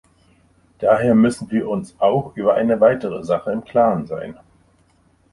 Daher müssen wir uns auch über eine weitere Sache im klaren sein.